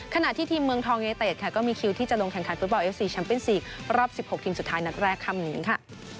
ขณะที่ทีมเมืองทองยูเนเต็ดค่ะก็มีคิวที่จะลงแข่งขันฟุตบอลเอฟซีแชมปิน๔รอบ๑๖ทีมสุดท้ายนัดแรกคำนี้ค่ะ